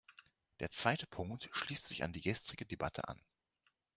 Der zweite Punkt schließt sich an die gestrige Debatte an.